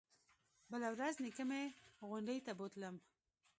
بله ورځ نيكه مې غونډۍ ته بوتلم.